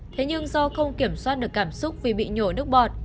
thế nhưng do không kiểm soát được cảm xúc vì bị nhổi nước bọt